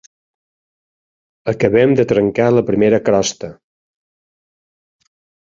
Acabem de trencar la primera crosta.